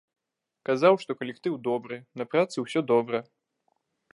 Казаў, што калектыў добры, на працы усё добра.